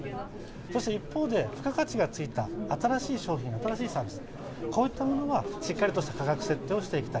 そして一方で、付加価値がついた、新しい商品、新しいサービス、こういったものはしっかりと価格設定をしていきたい。